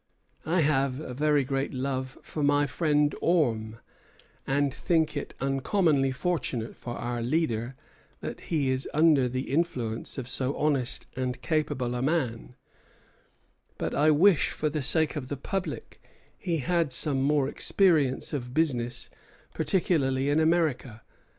I have a very great love for my friend Orme, and think it uncommonly fortunate for our leader that he is under the influence of so honest and capable a man; but I wish for the sake of the public he had some more experience of business, particularly in America.